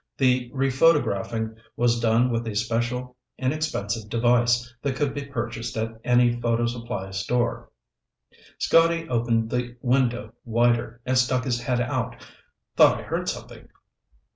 The rephotographing was done with a special, inexpensive device that could be purchased at any photo supply store. Scotty opened the window wider and stuck his head out. "Thought I heard something."